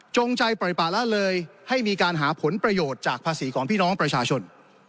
ใจปล่อยปะละเลยให้มีการหาผลประโยชน์จากภาษีของพี่น้องประชาชน